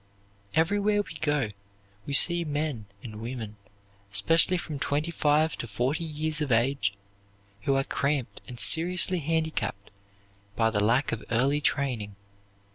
Everywhere we go we see men and women, especially from twenty five to forty years of age, who are cramped and seriously handicapped by the lack of early training.